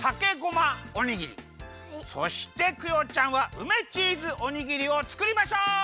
そしてクヨちゃんはうめチーズおにぎりをつくりましょう！